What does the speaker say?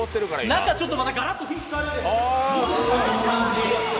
中、ちょっとまたガラッと雰囲気変わります。